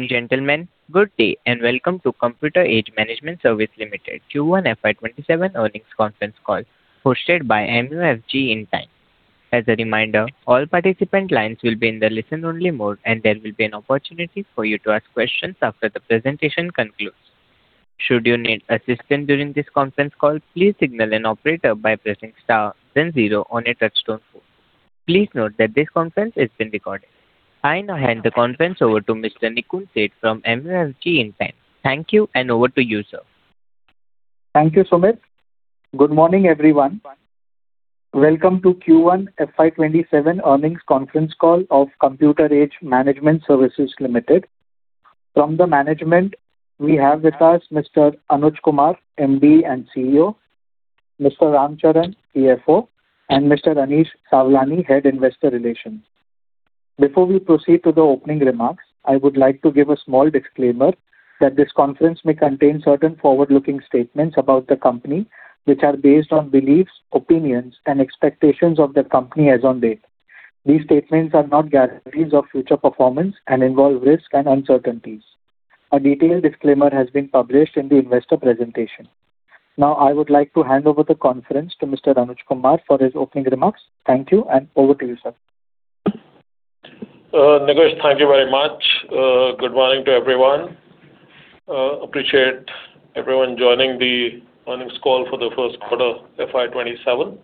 Gentlemen, good day and welcome to Computer Age Management Services Limited Q1 FY 2027 earnings conference call hosted by MUFG Intime. As a reminder, all participant lines will be in the listen only mode. There will be an opportunity for you to ask questions after the presentation concludes. Should you need assistance during this conference call, please signal an operator by pressing star then zero on your touchtone phone. Please note that this conference is being recorded. I now hand the conference over to Mr. Nikunj Seth from MUFG Intime. Thank you, and over to you, sir. Thank you, Sumit. Good morning, everyone. Welcome to Q1 FY 2027 earnings conference call of Computer Age Management Services Limited. From the management, we have with us Mr. Anuj Kumar, MD and CEO, Mr. Ramcharan, CFO, and Mr. Anish Sawlani, Head, Investor Relations. Before we proceed to the opening remarks, I would like to give a small disclaimer that this conference may contain certain forward-looking statements about the company which are based on beliefs, opinions, and expectations of the company as on date. These statements are not guarantees of future performance and involve risks and uncertainties. A detailed disclaimer has been published in the investor presentation. I would like to hand over the conference to Mr. Anuj Kumar for his opening remarks. Thank you, and over to you, sir. Nikunj, thank you very much. Good morning to everyone. Appreciate everyone joining the earnings call for the first quarter FY 2027.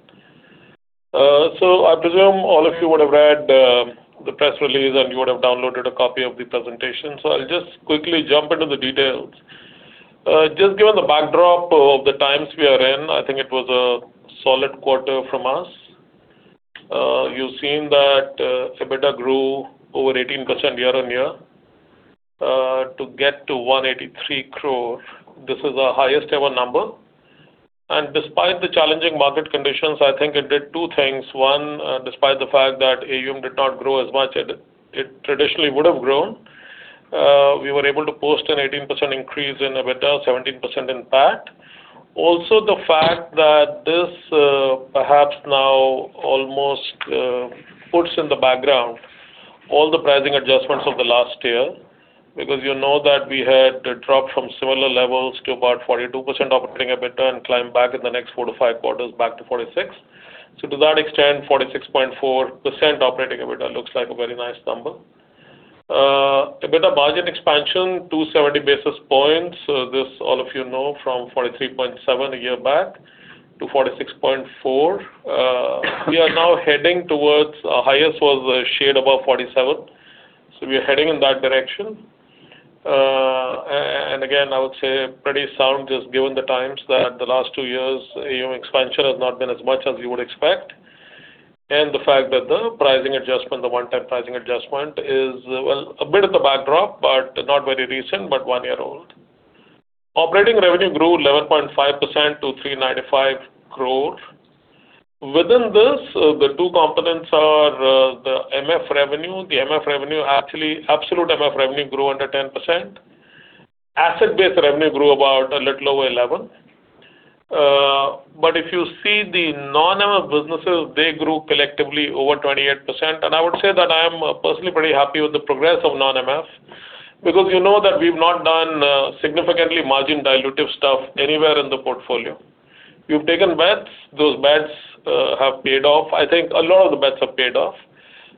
I presume all of you would have read the press release. You would have downloaded a copy of the presentation. I'll just quickly jump into the details. Just given the backdrop of the times we are in, I think it was a solid quarter from us. You've seen that EBITDA grew over 18% year-on-year to get to 183 crore. This is our highest ever number. Despite the challenging market conditions, I think it did two things. One, despite the fact that AUM did not grow as much as it traditionally would have grown, we were able to post an 18% increase in EBITDA, 17% in PAT. Also, the fact that this perhaps now almost puts in the background all the pricing adjustments of the last year. You know that we had dropped from similar levels to about 42% operating EBITDA and climbed back in the next four to five quarters back to 46%. To that extent, 46.4% operating EBITDA looks like a very nice number. EBITDA margin expansion, 270 basis points. This all of you know from 43.7% a year back to 46.4%. We are now heading towards our highest was a shade above 47%, so we are heading in that direction. Again, I would say pretty sound, just given the times that the last two years AUM expansion has not been as much as you would expect. The fact that the pricing adjustment, the one-time pricing adjustment is, well, a bit of a backdrop, but not very recent, but one year old. Operating revenue grew 11.5% to 395 crore. Within this, the two components are the MF revenue. The absolute MF revenue grew under 10%. Asset-based revenue grew about a little over 11%. If you see the non-MF businesses, they grew collectively over 28%. I would say that I am personally pretty happy with the progress of non-MF because you know that we've not done significantly margin dilutive stuff anywhere in the portfolio. We've taken bets. Those bets have paid off. I think a lot of the bets have paid off.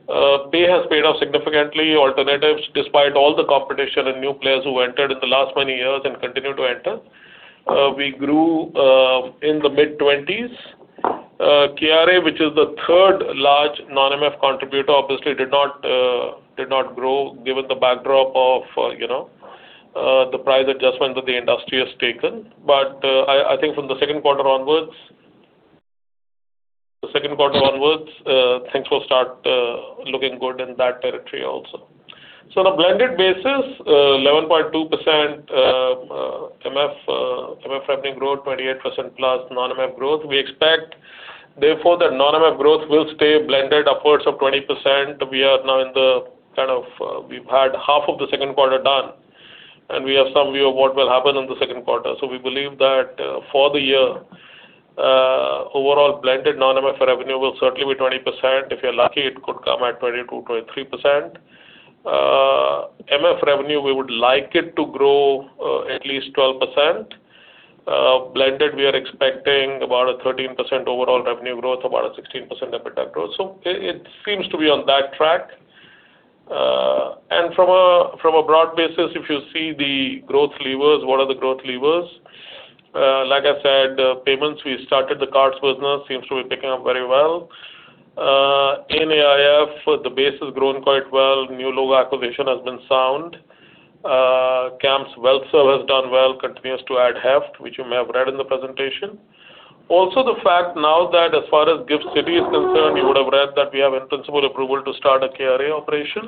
CAMSPay has paid off significantly. Alternatives, despite all the competition and new players who entered in the last many years and continue to enter. We grew in the mid-20s. KRA, which is the third-largest non-MF contributor, obviously did not grow given the backdrop of the price adjustments that the industry has taken. I think from the second quarter onwards things will start looking good in that territory also. The blended basis, 11.2% MF revenue growth, 28%+ non-MF growth. We expect, therefore, that non-MF growth will stay blended upwards of 20%. We've had half of the second quarter done, and we have some view of what will happen in the second quarter. We believe that for the year, overall blended non-MF revenue will certainly be 20%. If you're lucky, it could come at 22%, 23%. MF revenue, we would like it to grow at least 12%. Blended, we are expecting about a 13% overall revenue growth, about a 16% EBITDA growth. It seems to be on that track. From a broad basis, if you see the growth levers, what are the growth levers? Like I said, payments, we started the cards business. Seems to be picking up very well. In AIF, the base has grown quite well. New loan acquisition has been sound. CAMS has done well, continues to add heft, which you may have read in the presentation. Also, the fact now that as far as GIFT City is concerned, you would have read that we have in-principle approval to start a KRA operation.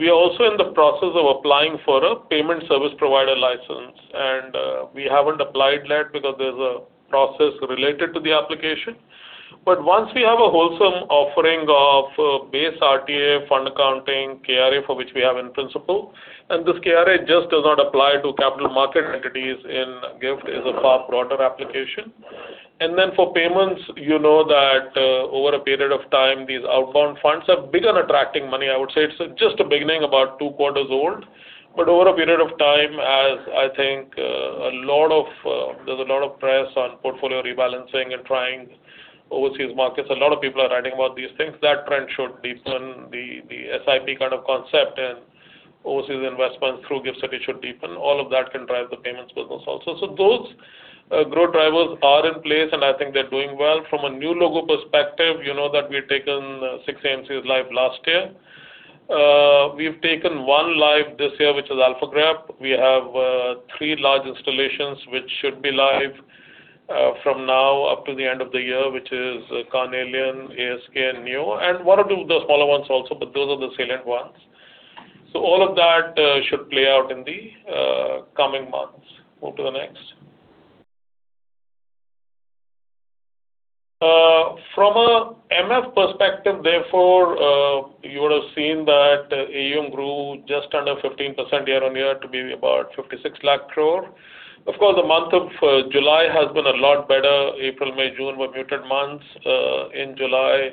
We are also in the process of applying for a payment service provider license, and we haven't applied yet because there's a process related to the application. Once we have a wholesome offering of base RTA fund accounting, KRA for which we have in principle, and this KRA just does not apply to capital market entities in GIFT. It is a far broader application. For payments, you know that over a period of time, these outbound funds have begun attracting money. I would say it's just the beginning, about two quarters old. Over a period of time, there's a lot of press on portfolio rebalancing and trying overseas markets. A lot of people are writing about these things. That trend should deepen the SIP kind of concept and overseas investments through GIFT City should deepen. All of that can drive the payments business also. Those growth drivers are in place, and I think they're doing well. From a new logo perspective, you know that we had taken six AMCs live last year. We've taken one live this year, which is AlphaGrep. We have three large installations which should be live from now up to the end of the year, which is Carnelian, ASK, and New. One or two of the smaller ones also, but those are the salient ones. All of that should play out in the coming months. Move to the next. From a MF perspective, therefore, you would have seen that AUM grew just under 15% year-on-year to be about 56 lakh crore. Of course, the month of July has been a lot better. April, May, June were muted months. In July,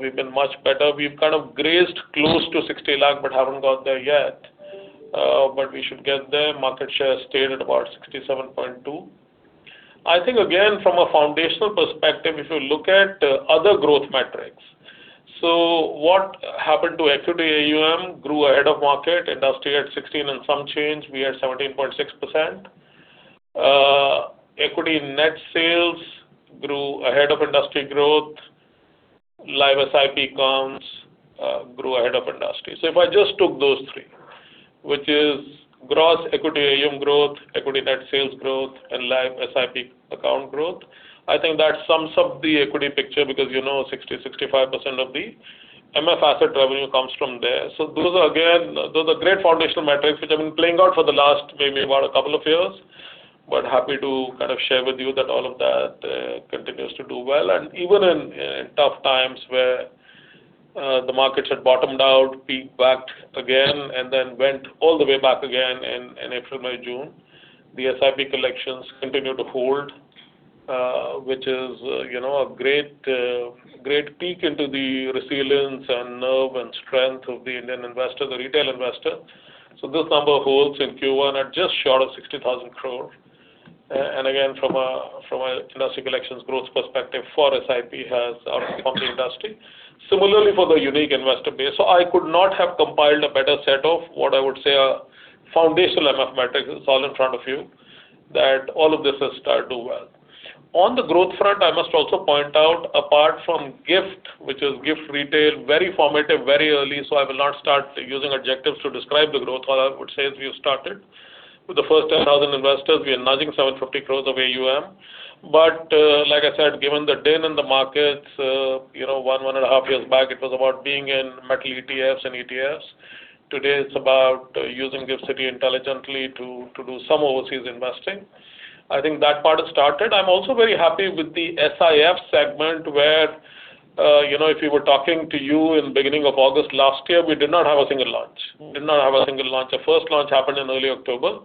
we've been much better. We've kind of grazed close to 60 lakh but haven't got there yet. We should get there. Market share stayed at about 67.2%. Again, from a foundational perspective, if you look at other growth metrics. What happened to equity AUM? Grew ahead of market. Industry at 16% and some change. We are 17.6%. Equity net sales grew ahead of industry growth. Live SIP counts grew ahead of industry. If I just took those three, which is gross equity AUM growth, equity net sales growth, and live SIP account growth, that sums up the equity picture because you know 60%-65% of the MF asset revenue comes from there. Those are great foundational metrics which have been playing out for the last maybe about a couple of years. Happy to share with you that all of that continues to do well. Even in tough times where the markets had bottomed out, peaked back again, and then went all the way back again in April, May, June, the SIP collections continued to hold, which is a great peek into the resilience and nerve and strength of the Indian investor, the retail investor. This number holds in Q1 at just short of 60,000 crore. Again, from a domestic collections growth perspective for SIP has outpaced the industry. Similarly for the unique investor base. I could not have compiled a better set of what I would say are foundational MF metrics. It's all in front of you that all of this has started to do well. On the growth front, I must also point out, apart from GIFT, which is GIFT retail, very formative, very early, I will not start using adjectives to describe the growth. All I would say is we have started with the first 10,000 investors. We are nudging 750 crore of AUM. Like I said, given the din in the markets, one and a half years back, it was about being in metal ETFs and ETFs. Today it's about using GIFT City intelligently to do some overseas investing. That part has started. I'm also very happy with the SIF segment where, if we were talking to you in the beginning of August last year, we did not have a single launch. The first launch happened in early October.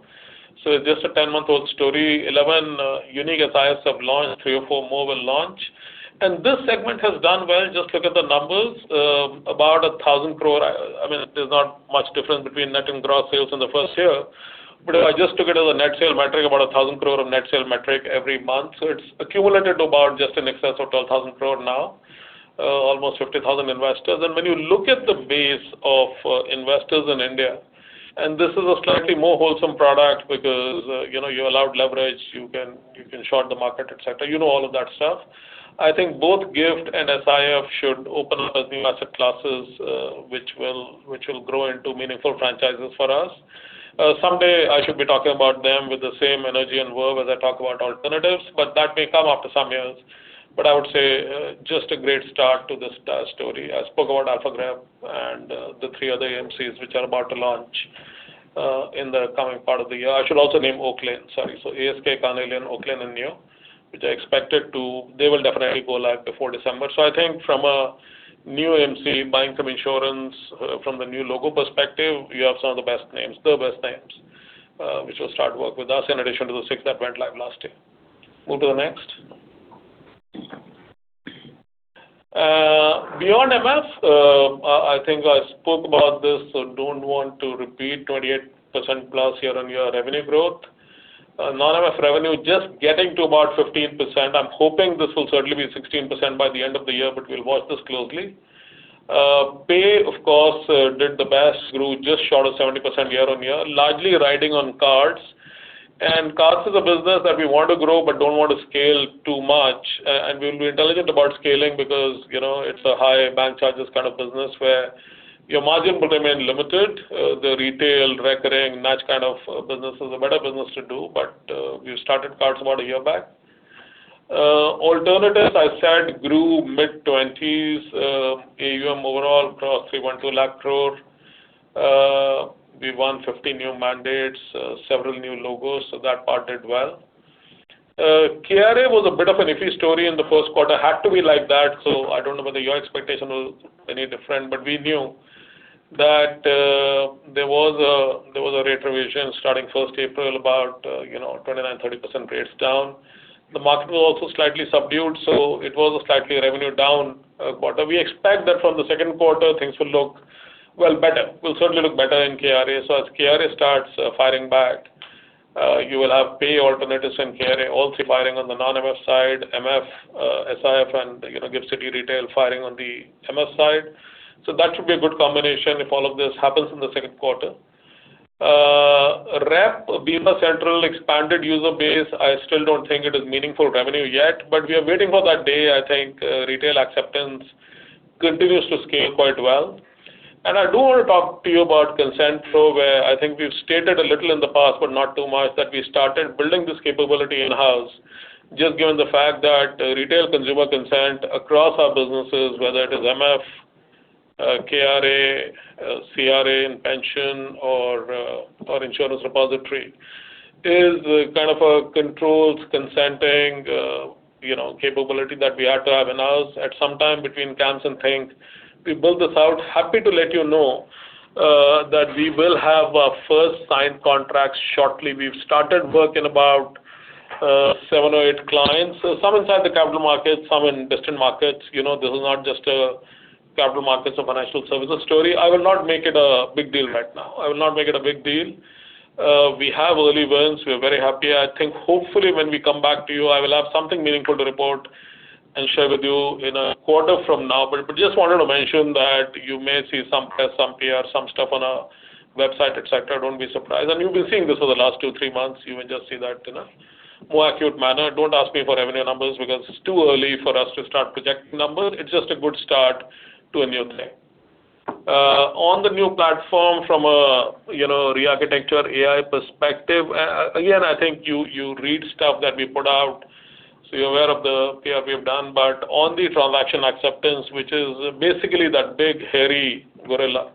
It's just a 10-month-old story. 11 unique SIFs have launched, three or four more will launch. This segment has done well. Just look at the numbers. About 1,000 crore. There's not much difference between net and gross sales in the first year. I just took it as a net sale metric, about 1,000 crore of net sale metric every month. It's accumulated to about just in excess of 12,000 crore now, almost 50,000 investors. When you look at the base of investors in India, and this is a slightly more wholesome product because you're allowed leverage, you can short the market, et cetera. You know all of that stuff. I think both GIFT and SIF should open up as new asset classes, which will grow into meaningful franchises for us. Someday I should be talking about them with the same energy and verve as I talk about alternatives, but that may come after some years. I would say just a great start to this story. I spoke about AlphaGrep and the three other AMCs which are about to launch in the coming part of the year. I should also name Oaklane. Sorry. ASK, Carnelian, Oaklane, and New. They will definitely go live before December. I think from a new AMC, buy income insurance from the new logo perspective, you have some of the best names, the best names which will start work with us in addition to the 6 that went live last year. Move to the next. Beyond MF, I think I spoke about this, don't want to repeat 28% plus year-over-year revenue growth. Non-MF revenue just getting to about 15%. I'm hoping this will certainly be 16% by the end of the year, but we'll watch this closely. CAMSPay, of course, did the best, grew just short of 70% year-over-year, largely riding on cards. Cards is a business that we want to grow but don't want to scale too much. We'll be intelligent about scaling because it's a high bank charges kind of business where your margin will remain limited. The retail recurring match kind of business is a better business to do, but we started cards about a year back. Alternatives, I said, grew mid-20s. AUM overall crossed 3.2 lakh crore. We won 50 new mandates, several new logos, that part did well. KRA was a bit of an iffy story in the first quarter. Had to be like that. I don't know whether your expectation was any different, but we knew that there was a rate revision starting 1st April about 29%, 30% rates down. The market was also slightly subdued, it was a slightly revenue down quarter. We expect that from the second quarter, things will look better. Will certainly look better in KRA. As KRA starts firing back, you will have CAMSPay alternatives in KRA, all three firing on the non-MF side, MF, SIF, and GIFT City retail firing on the MF side. That should be a good combination if all of this happens in the second quarter. CAMSRep, Bima Central expanded user base. I still don't think it is meaningful revenue yet, but we are waiting for that day. I think retail acceptance continues to scale quite well. I do want to talk to you about consent flow, where I think we've stated a little in the past, but not too much, that we started building this capability in-house just given the fact that retail consumer consent across our businesses, whether it is MF, KRA, CRA, and Pension or insurance repository, is kind of a controlled consenting capability that we had to have in-house at some time between CAMS and Think. We built this out. Happy to let you know that we will have our first signed contract shortly. We've started work in about seven or eight clients, some inside the capital markets, some in distant markets. This is not just a capital markets or financial services story. I will not make it a big deal right now. I will not make it a big deal. We have early wins. We are very happy. I think hopefully when we come back to you, I will have something meaningful to report and share with you in a quarter from now. Just wanted to mention that you may see some press, some PR, some stuff on our website, et cetera. Don't be surprised. You've been seeing this for the last two, three months. You may just see that in a more acute manner. Don't ask me for revenue numbers because it's too early for us to start projecting numbers. It's just a good start to a new thing. On the new platform from a re-architecture AI perspective, again, I think you read stuff that we put out, so you're aware of the PR we have done. On the transaction acceptance, which is basically that big hairy gorilla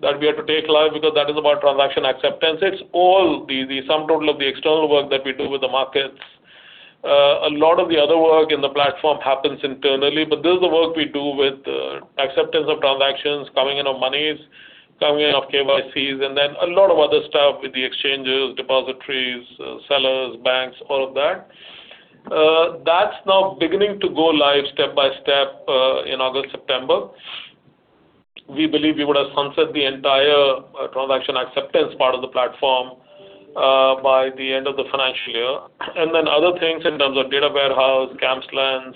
that we had to take live because that is about transaction acceptance. It's all the sum total of the external work that we do with the markets. A lot of the other work in the platform happens internally, but this is the work we do with acceptance of transactions coming in on monies, coming in of KYCs, and then a lot of other stuff with the exchanges, depositories, sellers, banks, all of that. That's now beginning to go live step by step in August, September. We believe we would have sunset the entire transaction acceptance part of the platform by the end of the financial year. Other things in terms of data warehouse, CAMSLens,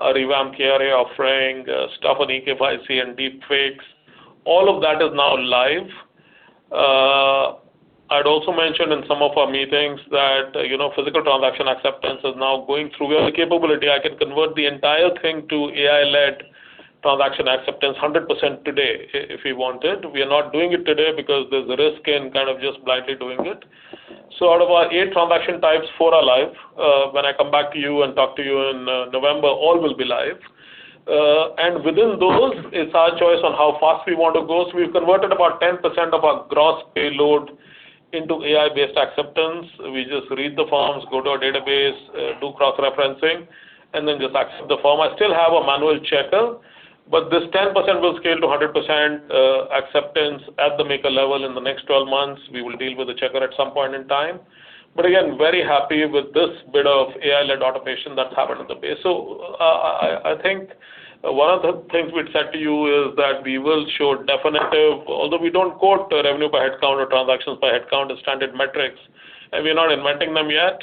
a revamped KRA offering, stuff on e-KYC and deep fakes, all of that is now live. I'd also mentioned in some of our meetings that physical transaction acceptance is now going through. We have the capability. I can convert the entire thing to AI-led transaction acceptance 100% today if we wanted. We are not doing it today because there's a risk in just blindly doing it. Out of our eight transaction types, four are live. When I come back to you and talk to you in November, all will be live. Within those, it's our choice on how fast we want to go. We've converted about 10% of our gross payload into AI-based acceptance. We just read the forms, go to our database, do cross-referencing, and then just accept the form. I still have a manual checker, but this 10% will scale to 100% acceptance at the maker level in the next 12 months. We will deal with the checker at some point in time. Again, very happy with this bit of AI-led automation that's happened on the base. I think one of the things we'd said to you is that we will show definitive, although we don't quote revenue by headcount or transactions by headcount as standard metrics, and we're not inventing them yet.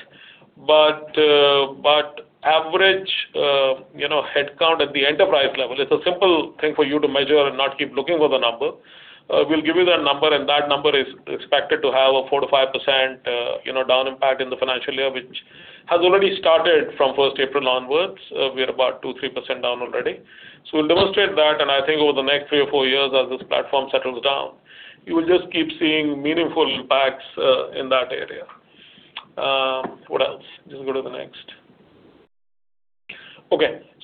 Average headcount at the enterprise level, it's a simple thing for you to measure and not keep looking for the number. We'll give you that number and that number is expected to have a 4%-5% down impact in the financial year, which has already started from 1st April onwards. We are about 2%, 3% down already. We'll demonstrate that, and I think over the next three or four years as this platform settles down, you will just keep seeing meaningful impacts in that area. What else? Just go to the next.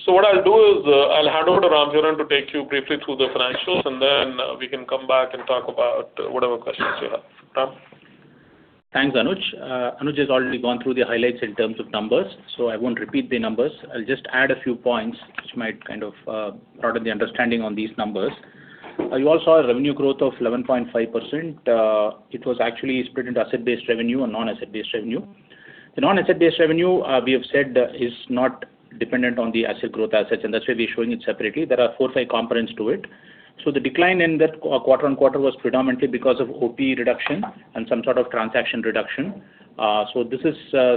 What I'll do is I'll hand over to Ramcharan to take you briefly through the financials and then we can come back and talk about whatever questions you have. Ram. Thanks, Anuj. Anuj has already gone through the highlights in terms of numbers, I won't repeat the numbers. I'll just add a few points which might broaden the understanding on these numbers. You all saw a revenue growth of 11.5%. It was actually split into asset-based revenue and non-asset-based revenue. The non-asset-based revenue, we have said is not dependent on the asset growth assets and that's why we're showing it separately. There are four or five components to it. The decline in that quarter-on-quarter was predominantly because of OpEx reduction and some sort of transaction reduction. This is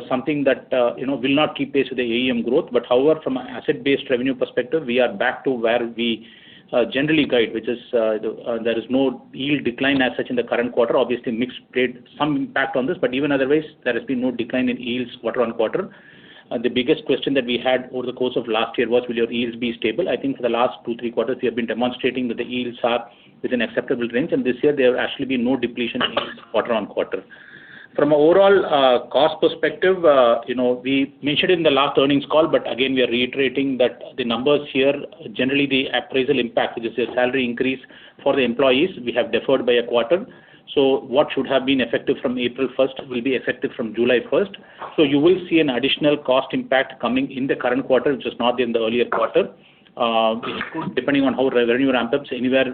something that will not keep pace with the AUM growth. However, from an asset-based revenue perspective, we are back to where we generally guide, which is there is no yield decline as such in the current quarter. Obviously, mix played some impact on this, even otherwise, there has been no decline in yields quarter-on-quarter. The biggest question that we had over the course of last year was will your yields be stable? I think for the last two, three quarters we have been demonstrating that the yields are within acceptable range and this year there have actually been no depletion in yields quarter-on-quarter. From an overall cost perspective, we mentioned in the last earnings call, again, we are reiterating that the numbers here, generally the appraisal impact, which is a salary increase for the employees, we have deferred by a quarter. What should have been effective from April 1st will be effective from July 1st. You will see an additional cost impact coming in the current quarter, which was not in the earlier quarter. Depending on how revenue ramps up, anywhere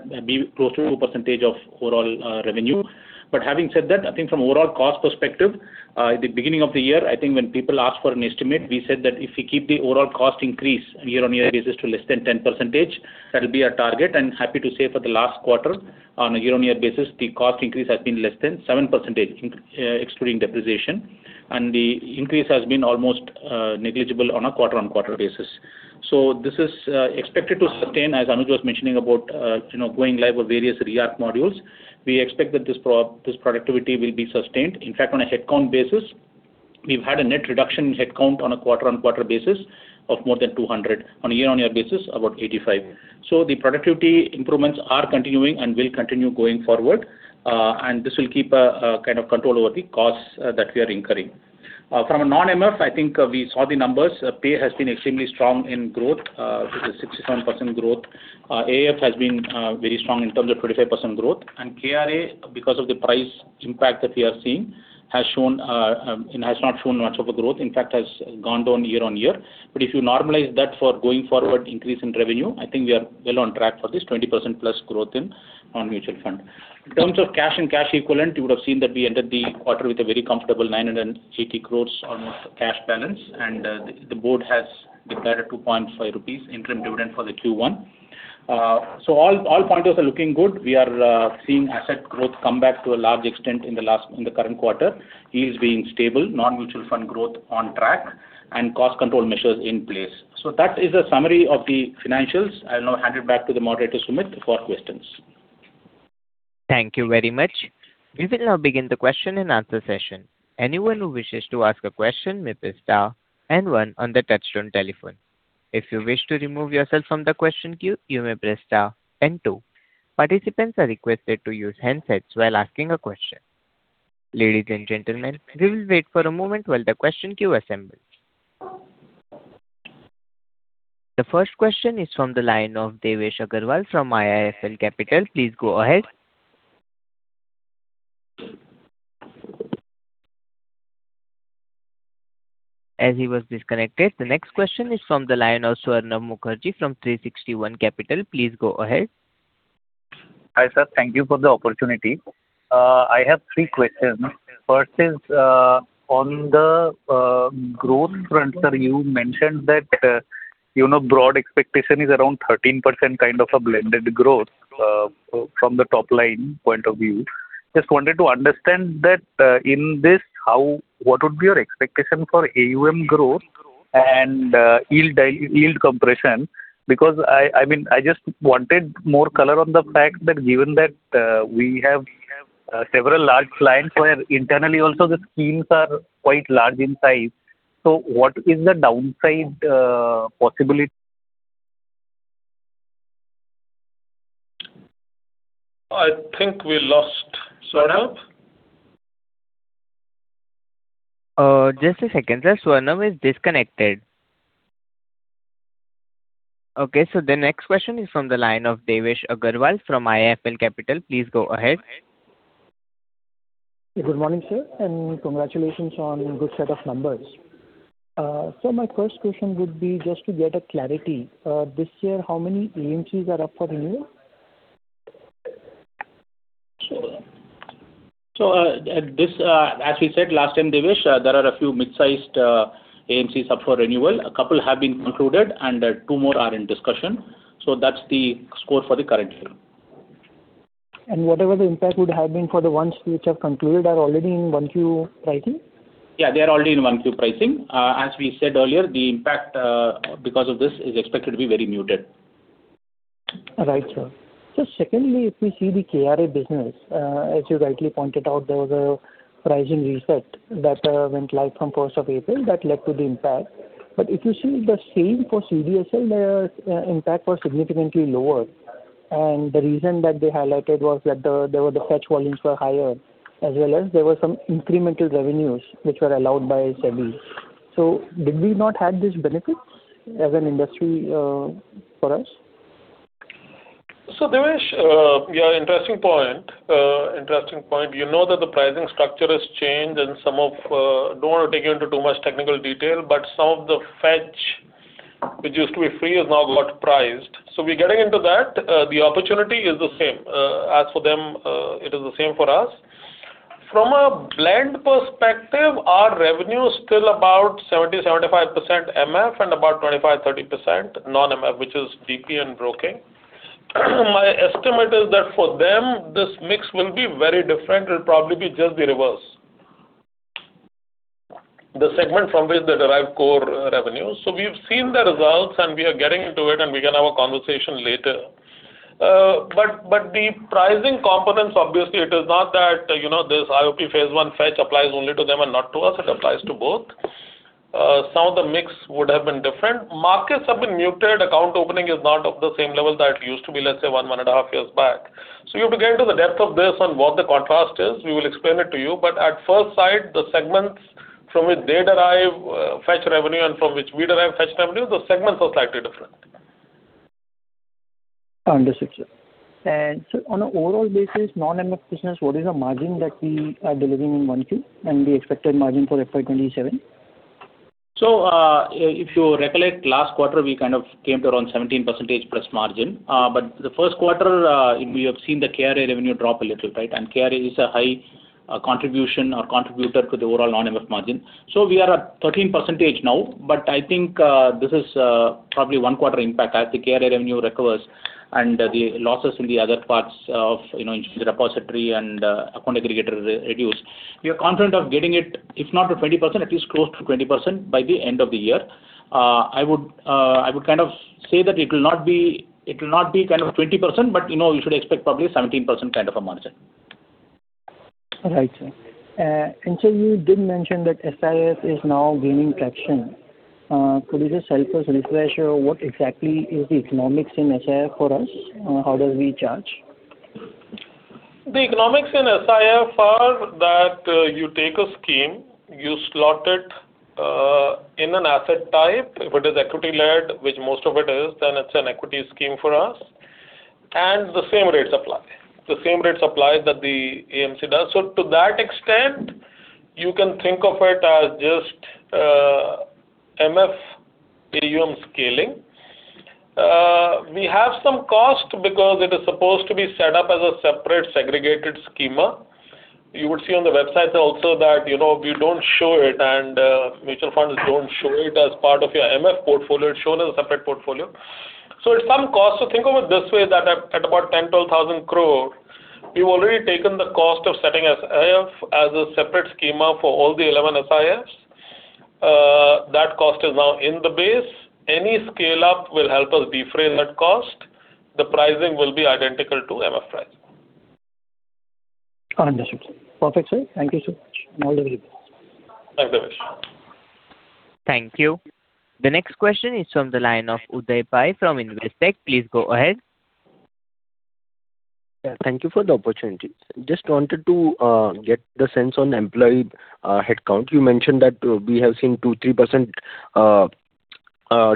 close to 2% of overall revenue. Having said that, I think from overall cost perspective, the beginning of the year, I think when people asked for an estimate, we said that if we keep the overall cost increase year-on-year basis to less than 10%, that'll be our target. Happy to say for the last quarter, on a year-on-year basis, the cost increase has been less than 7%, excluding depreciation, and the increase has been almost negligible on a quarter-on-quarter basis. This is expected to sustain, as Anuj was mentioning about going live with various REA modules. We expect that this productivity will be sustained. In fact, on a headcount basis, we've had a net reduction in headcount on a quarter-on-quarter basis of more than 200. On a year-on-year basis, about 85. The productivity improvements are continuing and will continue going forward. This will keep a kind of control over the costs that we are incurring. From a non-MF, I think we saw the numbers. CAMSPay has been extremely strong in growth, 67% growth. AIF has been very strong in terms of 35% growth. KRA, because of the price impact that we are seeing, has not shown much of a growth, in fact, has gone down year-over-year. If you normalize that for going forward increase in revenue, I think we are well on track for this 20%+ growth in non-mutual fund. In terms of cash and cash equivalent, you would have seen that we ended the quarter with a very comfortable 980 crore on cash balance, and the board has declared a 2.5 rupees interim dividend for the Q1. All pointers are looking good. We are seeing asset growth come back to a large extent in the current quarter. Fees being stable, non-mutual fund growth on track, and cost control measures in place. That is a summary of the financials. I will now hand it back to the moderator, Sumit, for questions. Thank you very much. We will now begin the question and answer session. Anyone who wishes to ask a question may press star and one on the touchtone telephone. If you wish to remove yourself from the question queue, you may press star and two. Participants are requested to use handsets while asking a question. Ladies and gentlemen, we will wait for a moment while the question queue assembles. The first question is from the line of Devesh Agarwal from IIFL Capital. Please go ahead. As he was disconnected, the next question is from the line of Swarnava Mukherjee from 360 ONE. Please go ahead. Hi, sir. Thank you for the opportunity. I have three questions. First is, on the growth front, sir, you mentioned that broad expectation is around 13% kind of a blended growth from the top-line point of view. Just wanted to understand that in this, what would be your expectation for AUM growth and yield compression? Because I just wanted more color on the fact that given that we have several large clients where internally also the schemes are quite large in size. What is the downside possibility? I think we lost Swarnava. Just a second, sir. Swarnava is disconnected. The next question is from the line of Devesh Agarwal from IIFL Capital. Please go ahead. Good morning, sir, congratulations on good set of numbers. Sir, my first question would be just to get a clarity. This year, how many AMCs are up for renewal? As we said last time, Devesh, there are a few mid-sized AMCs up for renewal. A couple have been concluded and two more are in discussion. That's the score for the current year. Whatever the impact would have been for the ones which have concluded are already in 1Q pricing? Yeah, they're already in 1Q pricing. As we said earlier, the impact, because of this, is expected to be very muted. Right, sir. Sir, secondly, if we see the KRA business, as you rightly pointed out, there was a pricing reset that went live from 1st of April that led to the impact. If you see the same for CDSL, their impact was significantly lower. The reason that they highlighted was that the fetch volumes were higher, as well as there were some incremental revenues which were allowed by SEBI. Did we not have these benefits as an industry for us? Devesh, yeah, interesting point. You know that the pricing structure has changed, and don't want to take you into too much technical detail, but some of the fetch which used to be free has now got priced. We're getting into that. The opportunity is the same. As for them, it is the same for us. From a blend perspective, our revenue is still about 70%-75% MF and about 25%, 30% non-MF, which is DP and broking. My estimate is that for them, this mix will be very different. It'll probably be just the reverse. The segment from which they derive core revenue. We've seen the results, and we are getting into it, and we can have a conversation later. The pricing components, obviously, it is not that this IOP phase I fetch applies only to them and not to us. It applies to both. Some of the mix would have been different. Markets have been muted. Account opening is not of the same level that it used to be, let's say one and a half years back. You have to get into the depth of this on what the contrast is. We will explain it to you. At first sight, the segments from which they derive fetch revenue and from which we derive fetch revenue, those segments are slightly different. Understood, sir. On an overall basis, non-MF business, what is the margin that we are delivering in 1Q and the expected margin for FY 2027? If you recollect last quarter, we kind of came to around 17% plus margin. The first quarter, we have seen the KRA revenue drop a little, right? KRA is a high contribution or contributor to the overall non-MF margin. We are at 13% now, but I think this is probably one quarter impact as the KRA revenue recovers and the losses in the other parts of repository and Account Aggregator reduce. We are confident of getting it, if not to 20%, at least close to 20% by the end of the year. I would say that it will not be kind of 20%, but you should expect probably 17% kind of a margin. Right, sir. Sir, you did mention that SIF is now gaining traction. Could you just help us refresh what exactly is the economics in SIF for us? How does we charge? The economics in SIF are that you take a scheme, you slot it in an asset type. If it is equity-led, which most of it is, then it's an equity scheme for us. The same rates apply. The same rates apply that the AMC does. To that extent, you can think of it as just MF premium scaling. We have some cost because it is supposed to be set up as a separate segregated schema. You would see on the websites also that we don't show it, and mutual funds don't show it as part of your MF portfolio. It's shown as a separate portfolio. It's some cost. Think of it this way, that at about 10,000 crore-12,000 crore, we've already taken the cost of setting SIF as a separate schema for all the 11 SIFs. That cost is now in the base. Any scale-up will help us defray that cost. The pricing will be identical to MF price. Understood. Perfect, sir. Thank you so much. I'm all ears. Thank you very much. Thank you. The next question is from the line of Uday Pai from Investec. Please go ahead. Yeah, thank you for the opportunity. Just wanted to get the sense on employee headcount. You mentioned that we have seen 2%-3%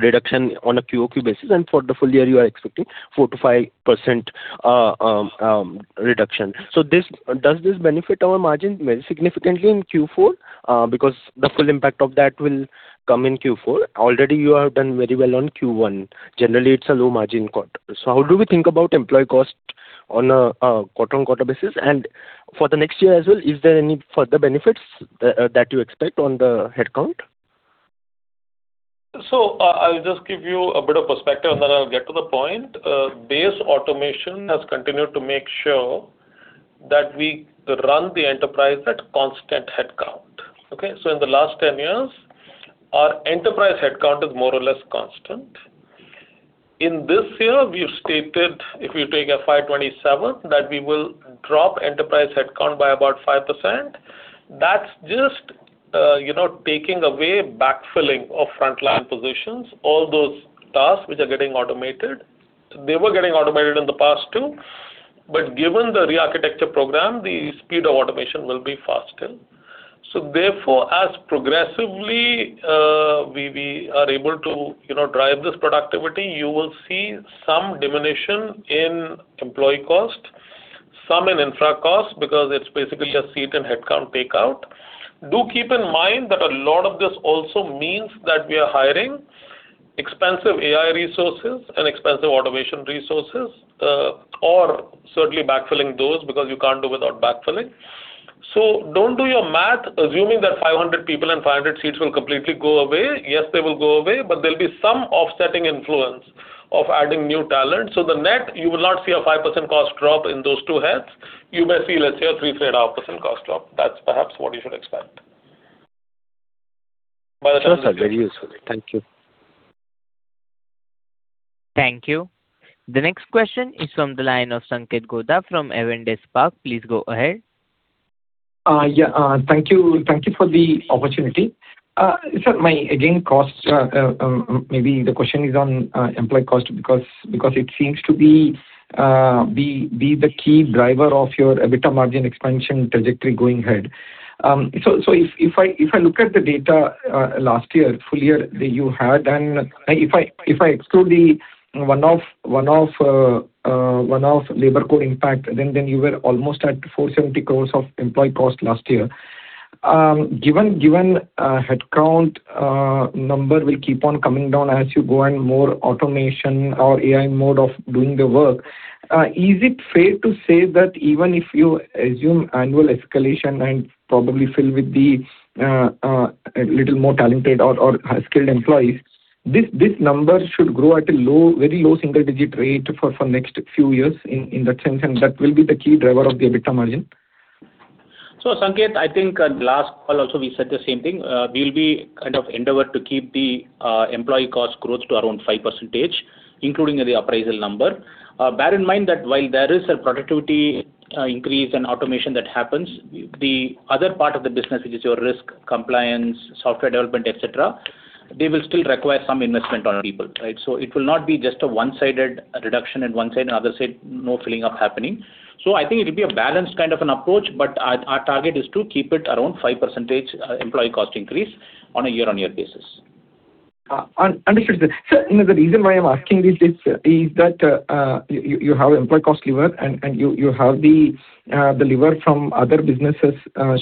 reduction on a QoQ basis, and for the full-year, you are expecting 4%-5% reduction. Does this benefit our margin significantly in Q4? Because the full impact of that will come in Q4. Already, you have done very well on Q1. Generally, it's a low-margin quarter. How do we think about employee cost on a quarter-over-quarter basis? For the next year as well, is there any further benefits that you expect on the headcount? I'll just give you a bit of perspective and then I'll get to the point. Base automation has continued to make sure that we run the enterprise at constant headcount. In the last 10 years, our enterprise headcount is more or less constant. In this year, we've stated, if we take a 527, that we will drop enterprise headcount by about 5%. That's just taking away backfilling of front-line positions, all those tasks which are getting automated. They were getting automated in the past, too. Given the re-architecture program, the speed of automation will be faster. Therefore, as progressively we are able to drive this productivity, you will see some diminution in employee cost, some in infra cost, because it's basically a seat and headcount takeout. Do keep in mind that a lot of this also means that we are hiring expensive AI resources and expensive automation resources, or certainly backfilling those, because you can't do without backfilling. Don't do your math assuming that 500 people and 500 seats will completely go away. Yes, they will go away, but there'll be some offsetting influence of adding new talent. The net, you will not see a 5% cost drop in those two heads. You may see, let's say, a 3%, 3.5% cost drop. That's perhaps what you should expect. Sure, sir. Very useful. Thank you. Thank you. The next question is from the line of Sanketh Godha from Avendus Spark. Please go ahead. Thank you for the opportunity. Sir, maybe the question is on employee cost, because it seems to be the key driver of your EBITDA margin expansion trajectory going ahead. If I look at the data last year, full-year that you had, and if I exclude the one-off labor code impact, then you were almost at 470 crore of employee cost last year. Given headcount number will keep on coming down as you go in more automation or AI mode of doing the work, is it fair to say that even if you assume annual escalation and probably fill with the little more talented or high-skilled employees, this number should grow at a very low single-digit rate for next few years in that sense, and that will be the key driver of the EBITDA margin? Sanketh, I think last call also we said the same thing. We will be kind of endeavor to keep the employee cost growth to around 5%, including the appraisal number. Bear in mind that while there is a productivity increase and automation that happens, the other part of the business, which is your risk, compliance, software development, etc., they will still require some investment on our people, right? I think it will be a balanced kind of an approach, but our target is to keep it around 5% employee cost increase on a year-on-year basis. Understood, sir. Sir, the reason why I'm asking this is that you have employee cost lever and you have the lever from other businesses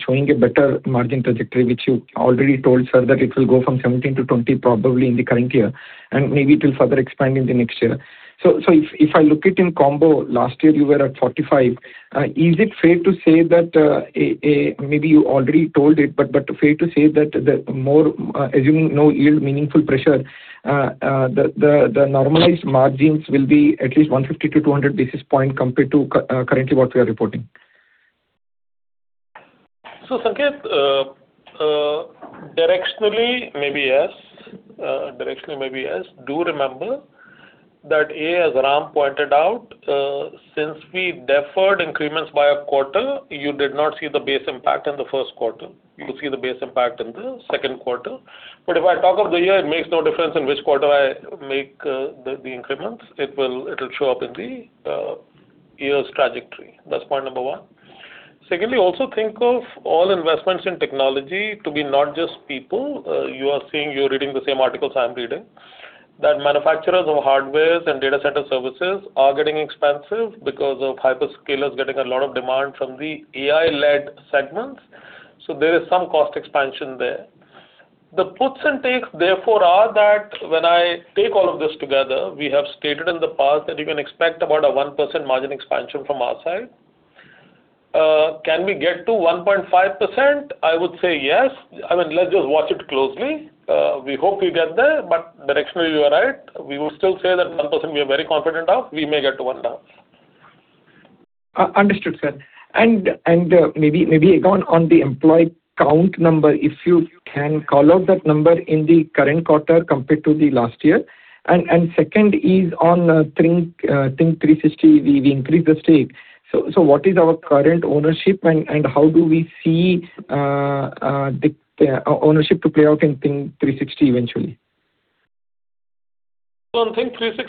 showing a better margin trajectory, which you already told, sir, that it will go from 17%-20% probably in the current year, and maybe it will further expand in the next year. If I look it in combo, last year you were at 45%. Is it fair to say that, maybe you already told it, but fair to say that assuming no yield meaningful pressure, the normalized margins will be at least 150-200 basis points compared to currently what we are reporting? Sanketh, directionally, maybe yes. Do remember that, A, as Ram pointed out, since we deferred increments by a quarter, you did not see the base impact in the first quarter. You will see the base impact in the second quarter. If I talk of the year, it makes no difference in which quarter I make the increments. It'll show up in the year's trajectory. That's point number 1. Also think of all investments in technology to be not just people. You're reading the same articles I'm reading, that manufacturers of hardwares and data center services are getting expensive because of hyperscalers getting a lot of demand from the AI-led segments. There is some cost expansion there. The puts and takes therefore are that when I take all of this together, we have stated in the past that you can expect about a 1% margin expansion from our side. Can we get to 1.5%? I would say yes. Let's just watch it closely. We hope we get there, but directionally you are right. We would still say that 1%, we are very confident of. We may get to 1.5%. Understood, sir. Maybe, again, on the employee count number, if you can call out that number in the current quarter compared to the last year. Second is on Think360.ai, we increased the stake. What is our current ownership and how do we see the ownership to play out in Think360.ai eventually? On Think360.ai,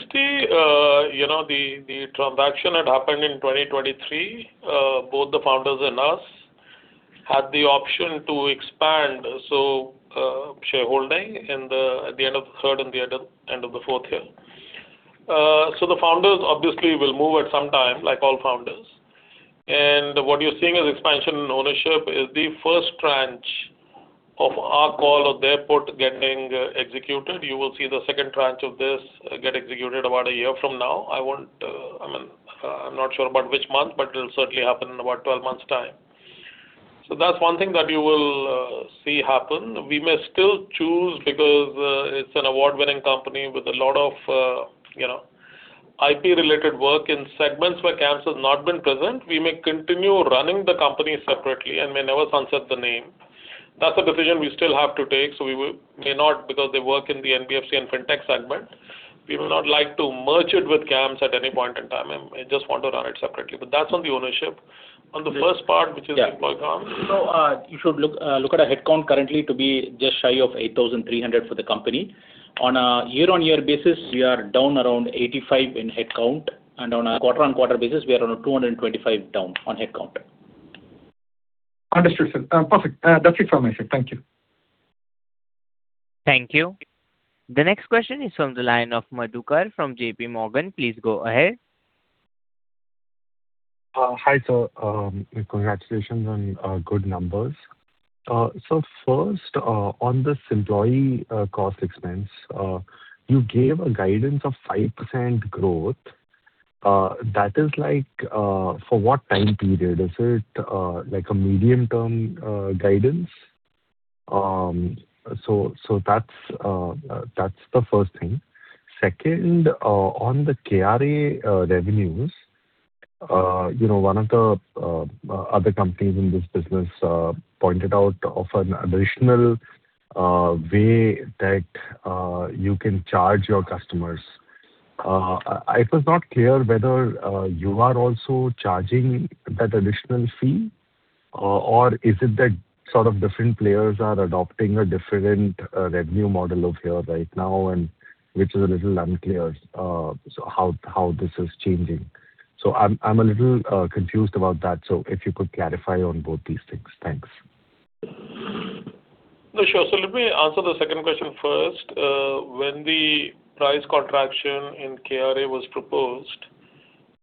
the transaction had happened in 2023. Both the founders and us had the option to expand shareholding at the end of the third and the end of the fourth year. The founders obviously will move at some time, like all founders. What you're seeing as expansion in ownership is the first tranche of our call or their put getting executed. You will see the second tranche of this get executed about a year from now. I'm not sure about which month, but it will certainly happen in about 12-months' time. That's one thing that you will see happen. We may still choose, because it's an award-winning company with a lot of IP-related work in segments where CAMS has not been present. We may continue running the company separately and may never sunset the name. That's a decision we still have to take. We may not, because they work in the NBFC and fintech segment. We would not like to merge it with CAMS at any point in time and may just want to run it separately. That's on the ownership. On the first part, which is employee count- Yeah. You should look at our head count currently to be just shy of 8,300 for the company. On a year-on-year basis, we are down around 85 in head count, and on a quarter-on-quarter basis, we are around 225 down on head count. Understood, sir. Perfect. That's it from my side. Thank you. Thank you. The next question is from the line of Madhukar from JPMorgan. Please go ahead. Hi, sir. Congratulations on good numbers. First, on this employee cost expense, you gave a guidance of 5% growth. That is for what time period? Is it a medium-term guidance? That's the first thing. Second, on the KRA revenues, one of the other companies in this business pointed out of an additional way that you can charge your customers. I was not clear whether you are also charging that additional fee or is it that different players are adopting a different revenue model over here right now, and which is a little unclear how this is changing. I'm a little confused about that. If you could clarify on both these things. Thanks. Sure. Let me answer the second question first. When the price contraction in KRA was proposed,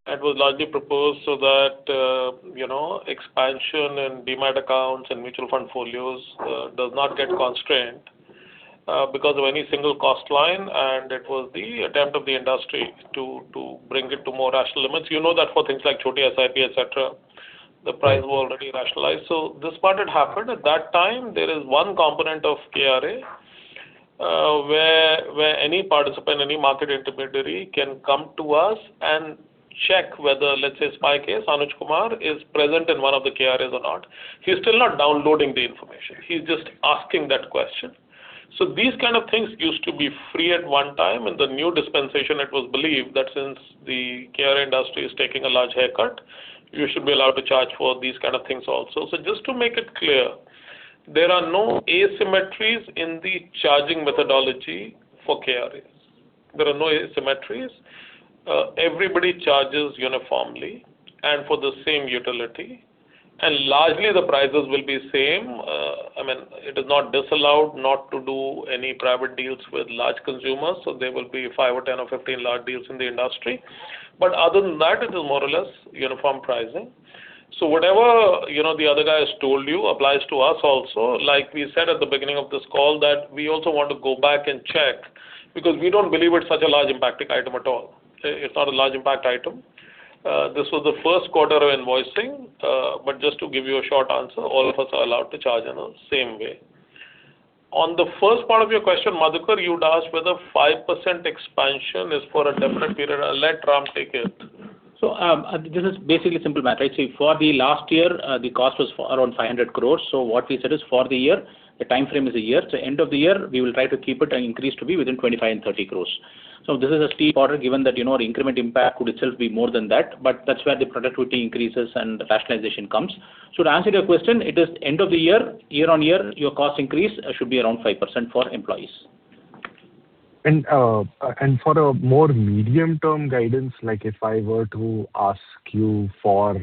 it was largely proposed so that expansion in DEMAT accounts and mutual fund folios does not get constrained because of any single cost line, and it was the attempt of the industry to bring it to more rational limits. You know that for things like Chhoti SIP, et cetera, the price was already rationalized. This part had happened. At that time, there is one component of KRA, where any participant, any market intermediary, can come to us and check whether, let's say, in my case, Anuj Kumar, is present in one of the KRAs or not. He's still not downloading the information. He's just asking that question. These kind of things used to be free at one time, and the new dispensation, it was believed that since the KRA industry is taking a large haircut, you should be allowed to charge for these kind of things also. Just to make it clear, there are no asymmetries in the charging methodology for KRAs. There are no asymmetries. Everybody charges uniformly and for the same utility, and largely the prices will be same. It is not disallowed not to do any private deals with large consumers, so there will be five or 10 or 15 large deals in the industry. Other than that, it is more or less uniform pricing. Whatever the other guys told you applies to us also. We said at the beginning of this call that we also want to go back and check because we don't believe it's such a large impacting item at all. It's not a large impact item. This was the first quarter of invoicing. Just to give you a short answer, all of us are allowed to charge in the same way. On the first part of your question, Madhukar, you'd asked whether 5% expansion is for a definite period. I'll let Ram take it. This is basically a simple math. For the last year, the cost was around 500 crore. What we said is for the year, the timeframe is a year. End of the year, we will try to keep it an increase to be within 25 crore and 30 crore. This is a steep order given that increment impact could itself be more than that, but that's where the productivity increases and rationalization comes. To answer your question, it is end of the year-on-year, your cost increase should be around 5% for employees. For a more medium-term guidance, if I were to ask you for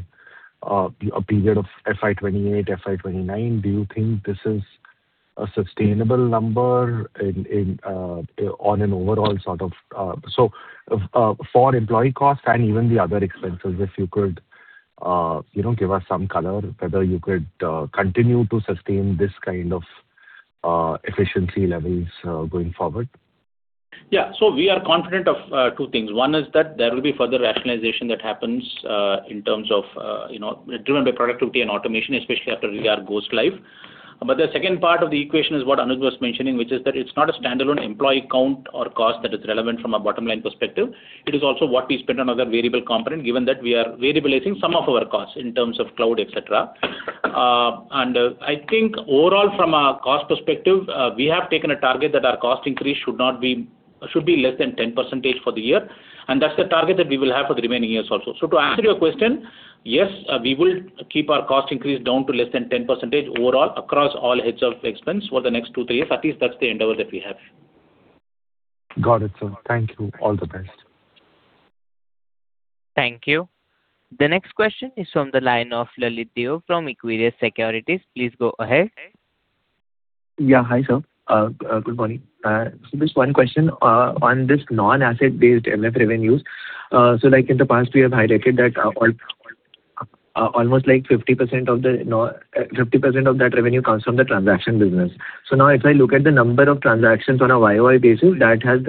a period of FY 2028, FY 2029, do you think this is a sustainable number on an overall for employee cost and even the other expenses, if you could give us some color, whether you could continue to sustain this kind of efficiency levels going forward. Yeah. We are confident of two things. One is that there will be further rationalization that happens in terms of driven by productivity and automation, especially after VR goes live. The second part of the equation is what Anuj was mentioning, which is that it's not a standalone employee count or cost that is relevant from a bottom-line perspective. It is also what we spend on other variable component, given that we are e-variabilizing some of our costs in terms of cloud, et cetera. I think overall, from a cost perspective, we have taken a target that our cost increase should be less than 10% for the year, and that's the target that we will have for the remaining years also. To answer your question, yes, we will keep our cost increase down to less than 10% overall across all heads of expense for the next two, three years. At least that's the endeavor that we have. Got it, sir. Thank you. All the best. Thank you. The next question is from the line of Lalit Deo from Equirus Securities. Please go ahead. Yeah. Hi, sir. Good morning. Just one question on this non-asset-based MF revenues. Like in the past, we have highlighted that almost 50% of that revenue comes from the transaction business. Now if I look at the number of transactions on a YoY basis, that has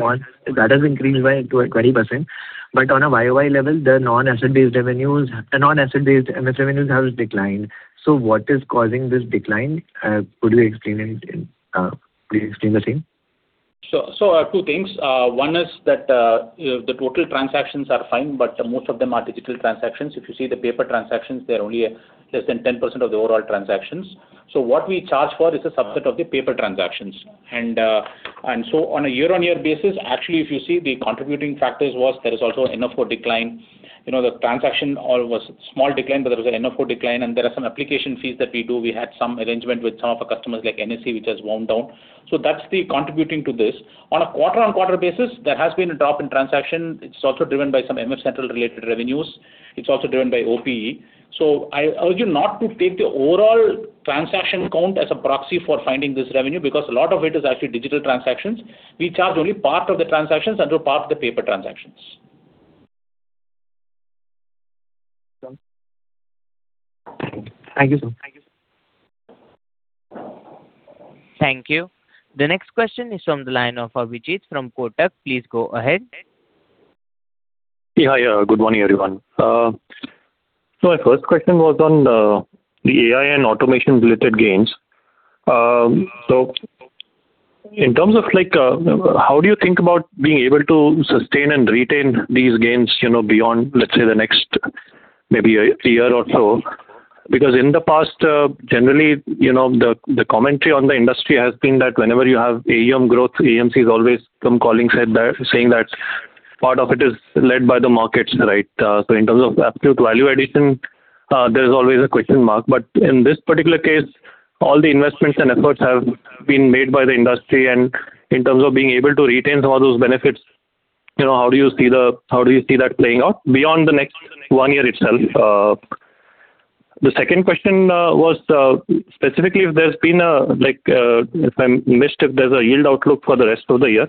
increased by 20%. But on a YoY level, the non-asset-based MF revenues has declined. What is causing this decline? Could you explain the same? Two things. One is that the total transactions are fine, but most of them are digital transactions. If you see the paper transactions, they're only less than 10% of the overall transactions. What we charge for is a subset of the paper transactions. On a year-on-year basis, actually, if you see the contributing factors was there is also an NFO decline. The transaction all was small decline, but there was an NFO decline, and there are some application fees that we do. We had some arrangement with some of our customers like NSE, which has wound down. That's the contributing to this. On a quarter-on-quarter basis, there has been a drop in transaction. It's also driven by some MF Central related revenues. It's also driven by OpEx. I urge you not to take the overall transaction count as a proxy for finding this revenue, because a lot of it is actually digital transactions. We charge only part of the transactions and do part of the paper transactions. Thank you, sir. Thank you. The next question is from the line of Abhijit from Kotak. Please go ahead. Hi. Good morning, everyone. My first question was on the AI and automation-related gains. In terms of how do you think about being able to sustain and retain these gains beyond, let's say, the next maybe a year or so? Because in the past, generally, the commentary on the industry has been that whenever you have AUM growth, AMCs always come calling, saying that part of it is led by the markets. In terms of absolute value addition, there's always a question mark. But in this particular case, all the investments and efforts have been made by the industry. In terms of being able to retain some of those benefits, how do you see that playing out beyond the next one year itself? The second question was specifically if there's been if I missed, if there's a yield outlook for the rest of the year.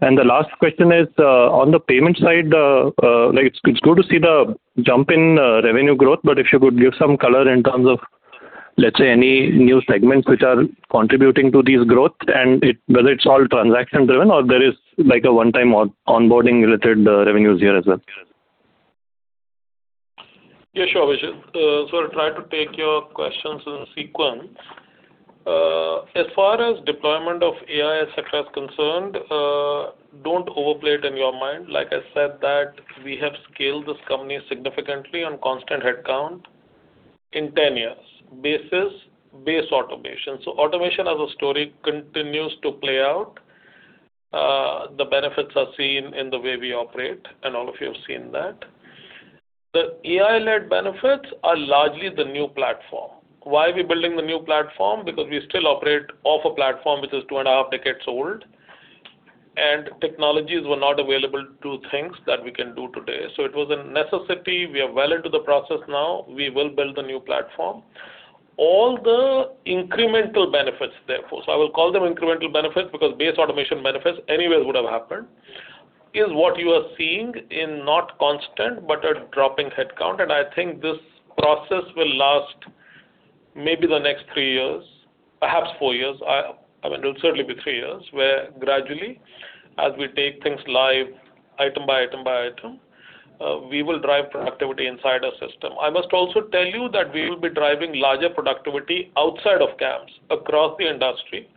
The last question is on the payment side, it's good to see the jump in revenue growth, but if you could give some color in terms of, let's say, any new segments which are contributing to this growth and whether it's all transaction-driven or there is a one-time onboarding-related revenues here as well. Yeah, sure, Abhijit. I'll try to take your questions in sequence. As far as deployment of AI, et cetera, is concerned, don't overplay it in your mind. Like I said that we have scaled this company significantly on constant headcount in 10 years. Basis, base automation. Automation as a story continues to play out. The benefits are seen in the way we operate, and all of you have seen that. The AI-led benefits are largely the new platform. Why are we building the new platform? Because we still operate off a platform which is two and a half decades old, and technologies were not available to do things that we can do today. It was a necessity. We are well into the process now. We will build a new platform. All the incremental benefits, therefore, I will call them incremental benefits, because base automation benefits anyways would have happened, is what you are seeing in not constant but a dropping headcount. I think this process will last maybe the next three years, perhaps four years. It'll certainly be three years where gradually as we take things live item by item by item, we will drive productivity inside our system. I must also tell you that we will be driving larger productivity outside of CAMS across the industry,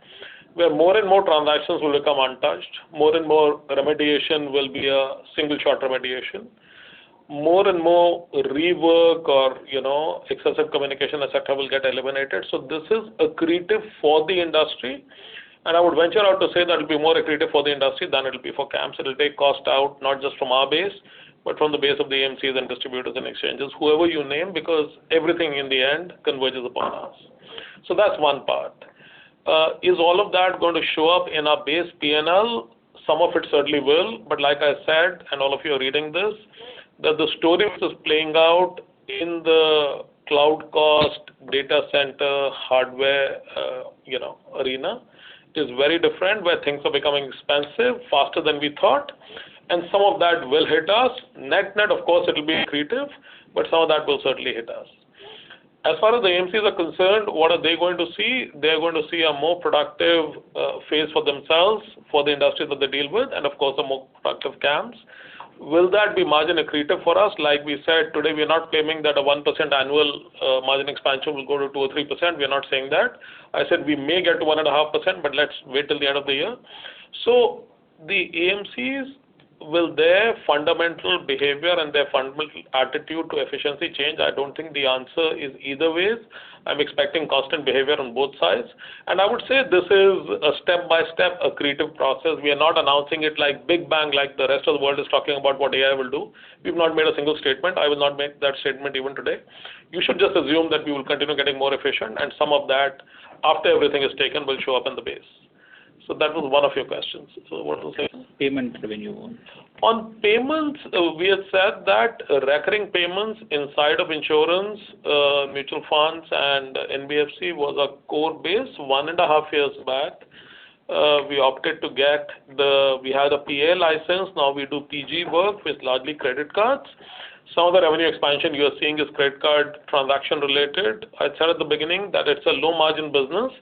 where more and more transactions will become untouched. More and more remediation will be a single-shot remediation. More and more rework or excessive communication, et cetera, will get eliminated. This is accretive for the industry, and I would venture out to say that it'll be more accretive for the industry than it'll be for CAMS. It'll take cost out not just from our base, but from the base of the AMCs and distributors and exchanges, whoever you name, because everything, in the end, converges upon us. That's one part. Is all of that going to show up in our base P&L? Some of it certainly will, but like I said, and all of you are reading this, that the story which is playing out in the cloud cost data center hardware arena is very different. Where things are becoming expensive faster than we thought, and some of that will hit us. Net net, of course it'll be accretive, but some of that will certainly hit us. As far as the AMCs are concerned, what are they going to see? They're going to see a more productive phase for themselves, for the industries that they deal with, and of course, the more productive CAMS. Will that be margin accretive for us? Like we said today, we are not claiming that a 1% annual margin expansion will go to 2% or 3%. We are not saying that. I said we may get 1.5%, but let's wait till the end of the year. The AMCs, will their fundamental behavior and their fundamental attitude to efficiency change? I don't think the answer is either ways. I'm expecting constant behavior on both sides, and I would say this is a step-by-step accretive process. We are not announcing it like Big Bang, like the rest of the world is talking about what AI will do. We've not made a single statement. I will not make that statement even today. You should just assume that we will continue getting more efficient, and some of that, after everything is taken, will show up in the base. That was one of your questions. What was the second? Payment revenue one. On payments, we had said that recurring payments inside of insurance, mutual funds, and NBFC was a core base one and a half years back. We had a PA license, now we do PG work with largely credit cards. Some of the revenue expansion you're seeing is credit card transaction-related. I said at the beginning that it's a low-margin business,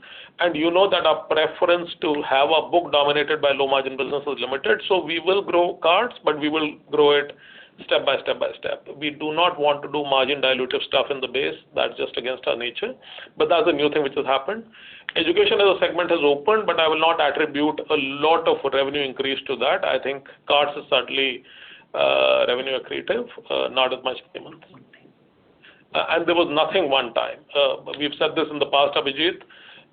and you know that our preference to have a book dominated by low-margin business is limited. We will grow cards, but we will grow it step by step by step. We do not want to do margin-dilutive stuff in the base. That's just against our nature. That's a new thing which has happened. Education as a segment has opened, but I will not attribute a lot of revenue increase to that. I think cards is certainly revenue accretive, not as much payments. There was nothing one time. We've said this in the past, Abhijit,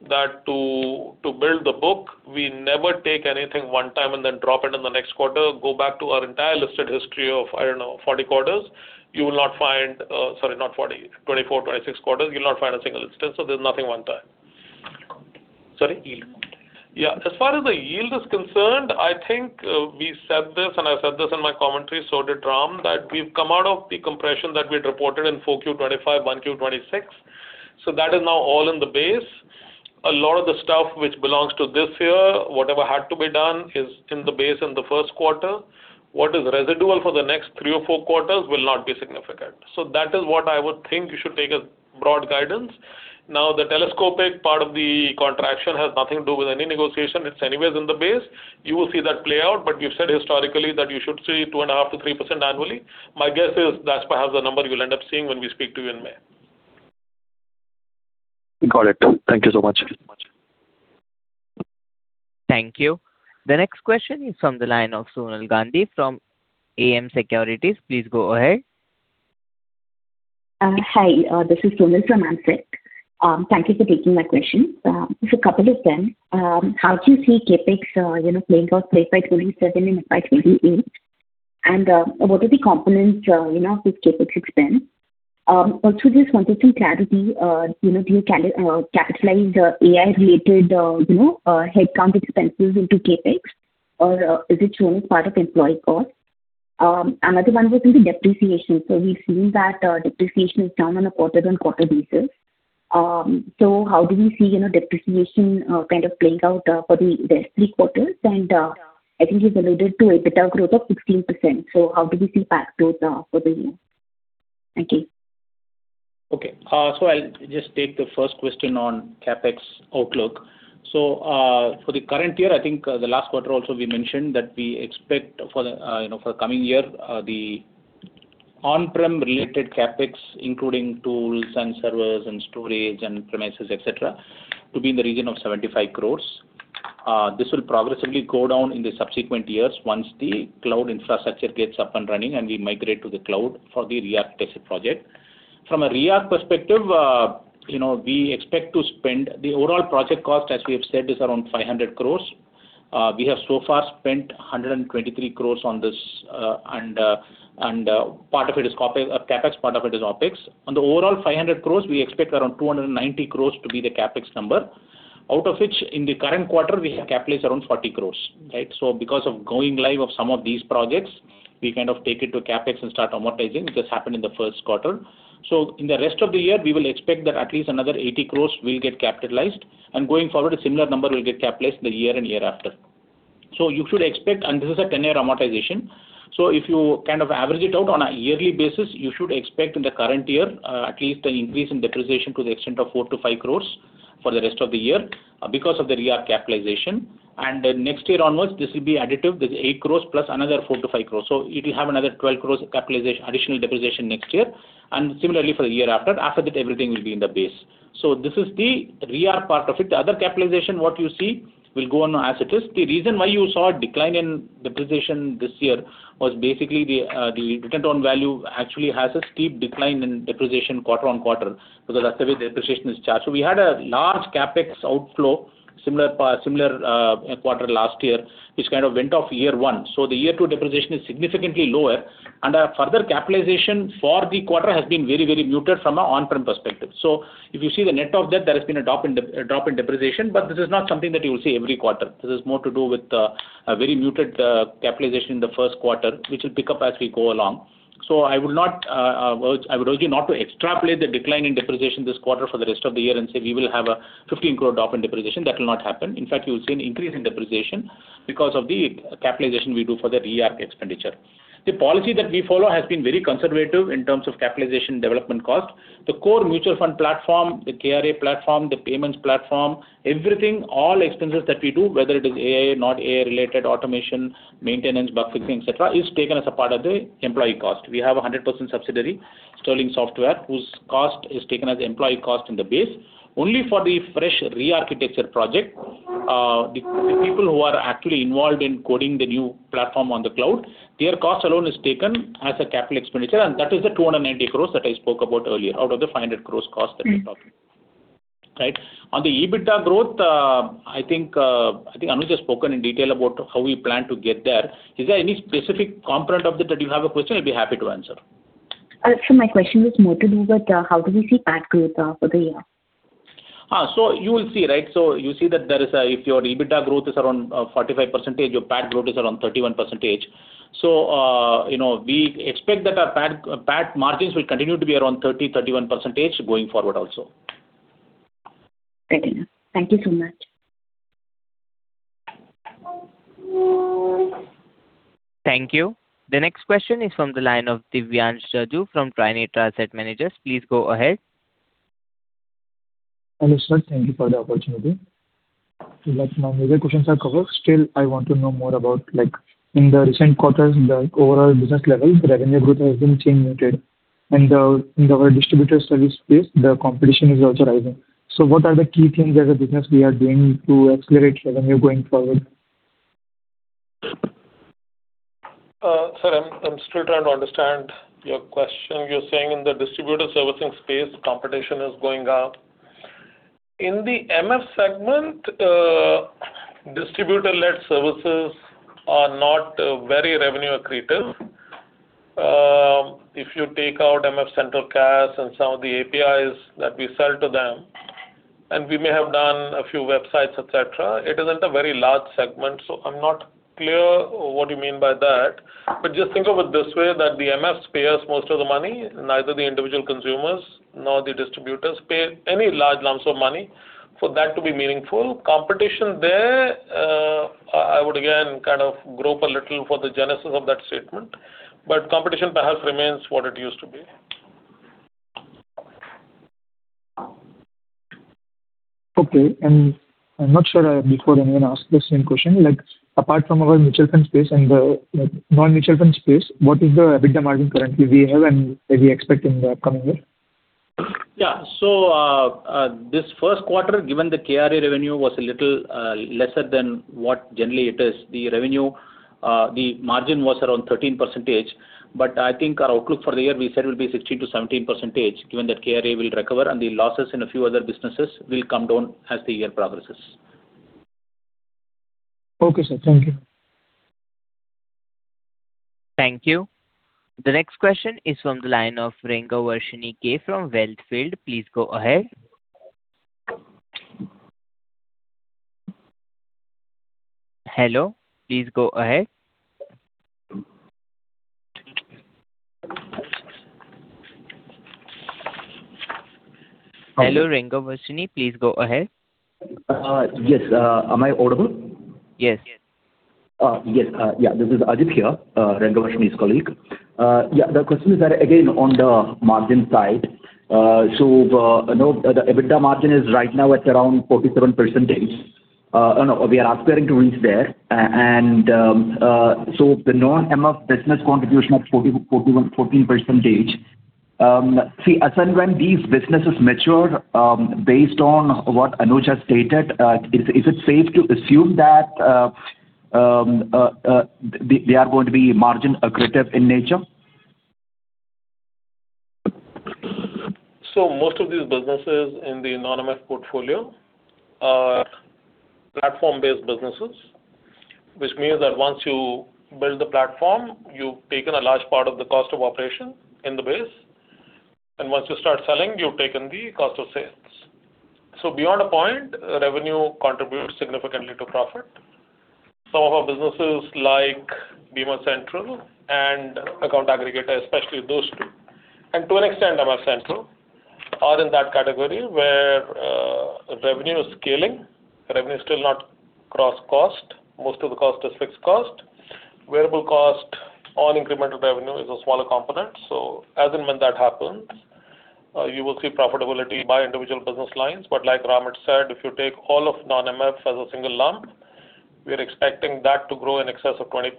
that to build the book, we never take anything one time and then drop it in the next quarter, go back to our entire listed history of, I don't know, 40 quarters. Sorry, not 40. 2024, 2026 quarters. You'll not find a single instance, so there's nothing one time. Yield. Sorry? Yield. As far as the yield is concerned, I think we said this, and I said this in my commentary, so did Ram, that we've come out of the compression that we'd reported in 4Q 2025, 1Q 2026. That is now all in the base. A lot of the stuff which belongs to this year, whatever had to be done, is in the base in the first quarter. What is residual for the next three or four quarters will not be significant. That is what I would think you should take as broad guidance. The telescopic part of the contraction has nothing to do with any negotiation. It's anyways in the base. You will see that play out, but we've said historically that you should see 2.5%-3% annually. My guess is that's perhaps the number you'll end up seeing when we speak to you in May. Got it. Thank you so much. Thank you. The next question is from the line of Sonal Gandhi from AM Securities. Please go ahead. Hi, this is Sonal from AM Sec. Thank you for taking my question. Just a couple of them. How do you see CapEx playing out, say, FY 2027 and FY 2028? What are the components of this CapEx spend? Also, just wanted some clarity. Do you capitalize AI-related headcount expenses into CapEx, or is it shown as part of employee cost? Another one was on the depreciation. We've seen that depreciation is down on a quarter-on-quarter basis. How do we see depreciation playing out for the rest of the quarters? I think you've alluded to EBITDA growth of 16%. How do you see PAT growth for the year? Thank you. Okay. I'll just take the first question on CapEx outlook. For the current year, I think the last quarter also we mentioned that we expect for the coming year, the on-prem related CapEx, including tools and servers and storage and premises, et cetera, to be in the region of 75 crore. This will progressively go down in the subsequent years once the cloud infrastructure gets up and running and we migrate to the cloud for the re-architecture project. From a re-arch perspective, we expect to spend, the overall project cost, as we have said, is around 500 crore. We have so far spent 123 crore on this. Part of it is CapEx, part of it is OpEx. On the overall 500 crore, we expect around 290 crore to be the CapEx number. Out of which, in the current quarter, we have capitalized around 40 crore. Because of going live of some of these projects, we kind of take it to CapEx and start amortizing. This happened in the first quarter. In the rest of the year, we will expect that at least another 80 crore will get capitalized. Going forward, a similar number will get capitalized the year-and-year after. You should expect, and this is a 10-year amortization. If you average it out on a yearly basis, you should expect in the current year at least an increase in depreciation to the extent of 4-5 crore for the rest of the year because of the re-arch capitalization. Then next year onwards, this will be additive. There's 8 crore plus another 4- 5 crore. It will have another 12 crore additional depreciation next year, and similarly for the year after. After that, everything will be in the base. This is the re-arch part of it. The other capitalization, what you see, will go on as it is. The reason why you saw a decline in depreciation this year was basically the written down value actually has a steep decline in depreciation quarter-on-quarter because that's the way depreciation is charged. We had a large CapEx outflow similar quarter last year, which kind of went off year one. The year two depreciation is significantly lower. Our further capitalization for the quarter has been very muted from an on-prem perspective. If you see the net of that, there has been a drop in depreciation, this is not something that you will see every quarter. This is more to do with a very muted capitalization in the first quarter, which will pick up as we go along. I would urge you not to extrapolate the decline in depreciation this quarter for the rest of the year and say we will have an 15 crore drop in depreciation. That will not happen. In fact, you will see an increase in depreciation because of the capitalization we do for that re-arch expenditure. The policy that we follow has been very conservative in terms of capitalization development cost. The core mutual fund platform, the KRA platform, the payments platform, everything, all expenses that we do, whether it is AI, not AI related, automation, maintenance, bug fixing, et cetera, is taken as a part of the employee cost. We have a 100% subsidiary, Sterling Software, whose cost is taken as employee cost in the base. Only for the fresh re-architecture project, the people who are actually involved in coding the new platform on the cloud, their cost alone is taken as a capital expenditure, and that is the 290 crore that I spoke about earlier out of the 500 crore cost that we're talking. On the EBITDA growth, I think Anuj has spoken in detail about how we plan to get there. Is there any specific component of that that you have a question? I'd be happy to answer. My question was more to do with how do we see PAT growth for the year? You will see that if your EBITDA growth is around 45%, your PAT growth is around 31%. We expect that our PAT margins will continue to be around 30, 31% going forward also. Very well. Thank you so much. Thank you. The next question is from the line of Divyansh Jaju from Trinetra Asset Managers. Please go ahead. Hello, sir. Thank you for the opportunity. My major questions are covered. Still, I want to know more about in the recent quarters, the overall business level revenue growth has remained muted. In our distributor service space, the competition is also rising. What are the key things as a business we are doing to accelerate revenue going forward? Sir, I'm still trying to understand your question. You're saying in the distributor servicing space, competition is going up. In the mutual fund segment, distributor-led services are not very revenue accretive. If you take out MF Central CAS and some of the APIs that we sell to them, and we may have done a few websites, et cetera, it isn't a very large segment, so I'm not clear what you mean by that. Just think of it this way, that the mutual fund spares most of the money. Neither the individual consumers nor the distributors pay any large lumps of money for that to be meaningful. Competition there, I would again kind of grope a little for the genesis of that statement, but competition perhaps remains what it used to be. Okay. I'm not sure I have before even asked the same question. Apart from our mutual fund space and the non-mutual fund space, what is the EBITDA margin currently we have, and are we expecting in the upcoming year? Yeah. This first quarter, given the KRA revenue, was a little lesser than what generally it is. The margin was around 13%, but I think our outlook for the year we said will be 16%-17%, given that KRA will recover and the losses in a few other businesses will come down as the year progresses. Okay, sir. Thank you. Thank you. The next question is from the line of Rengavarsini K from Waterfield. Please go ahead. Hello, please go ahead. Hello, Rengavarsini. Please go ahead. Yes. Am I audible? Yes. Yes. This is Ajith here, Rengavarsini's colleague. The questions are again on the margin side. The EBITDA margin is right now at around 47%. No, we are aspiring to reach there. The non-MF business contribution of 14%. See, as and when these businesses mature, based on what Anuj has stated, is it safe to assume that they are going to be margin accretive in nature? Most of these businesses in the non-MF portfolio are platform-based businesses, which means that once you build the platform, you've taken a large part of the cost of operation in the base, and once you start selling, you've taken the cost of sales. Beyond a point, revenue contributes significantly to profit. Some of our businesses like Bima Central and Account Aggregator, especially those two, and to an extent MF Central, are in that category where revenue is scaling. Revenue is still not cross cost. Most of the cost is fixed cost. Variable cost on incremental revenue is a smaller component. As and when that happens, you will see profitability by individual business lines. Like Ramcharan said, if you take all of non-MF as a single lump, we are expecting that to grow in excess of 20%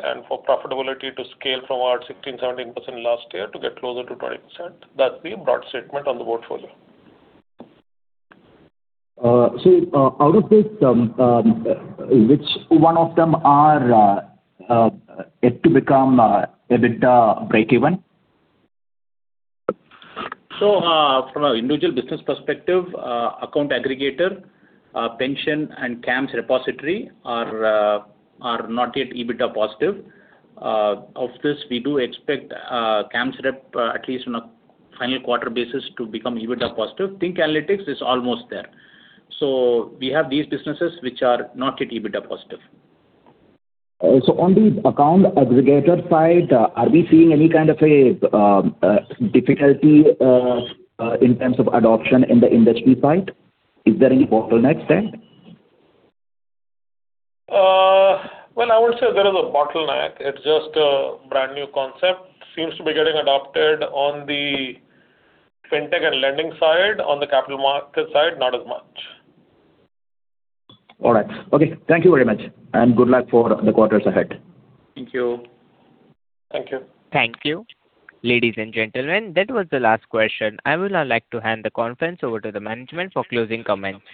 and for profitability to scale from our 16%-17% last year to get closer to 20%. That's the broad statement on the portfolio. Out of this, which one of them are yet to become EBITDA breakeven? From an individual business perspective, Account Aggregator, Pension, and CAMS Repository are not yet EBITDA positive. Of this, we do expect CAMSRep at least on a final quarter basis to become EBITDA positive. Think Analytics is almost there. We have these businesses which are not yet EBITDA positive. On the Account Aggregator side, are we seeing any kind of a difficulty in terms of adoption in the industry side? Is there any bottleneck there? Well, I wouldn't say there is a bottleneck. It's just a brand-new concept. Seems to be getting adopted on the fintech and lending side. On the capital markets side, not as much. All right. Okay. Thank you very much and good luck for the quarters ahead. Thank you. Thank you. Thank you. Ladies and gentlemen, that was the last question. I would now like to hand the conference over to the management for closing comments.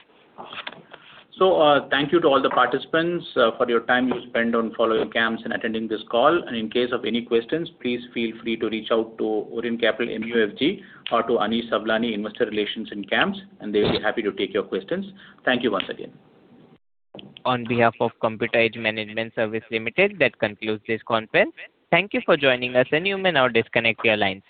Thank you to all the participants for your time you spent on following CAMS and attending this call. In case of any questions, please feel free to reach out to Orient Capital in MUFG or to Anish Sawlani, Investor Relations in CAMS, and they will be happy to take your questions. Thank you once again. On behalf of Computer Age Management Services Limited, that concludes this conference. Thank you for joining us and you may now disconnect your lines.